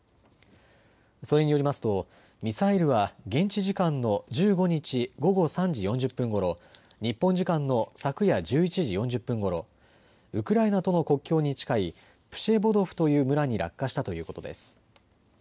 それによりますとミサイルは現地時間の１５日午後３時４０分ごろ、日本時間の昨夜１１時４０分ごろ、ウクライナとの国境に近いプシェボドフという村に落下したということです。